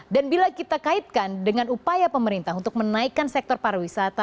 bila kita kaitkan dengan upaya pemerintah untuk menaikkan sektor pariwisata